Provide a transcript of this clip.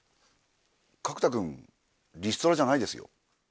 角田君リストラじゃないですよ？